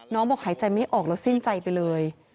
บอกหายใจไม่ออกแล้วสิ้นใจไปเลย